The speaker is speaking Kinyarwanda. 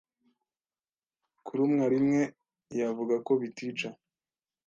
kurumwa rimwe yavuga ko bitica